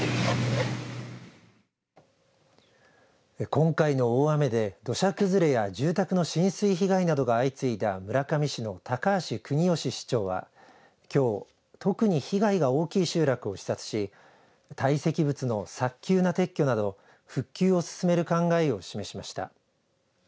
今回の大雨で、土砂崩れや住宅の浸水被害などが相次いだ村上市の高橋邦芳市長は、きょう特に被害が大きい集落を視察し堆積物の早急な撤去など復旧を進める考えを示しました。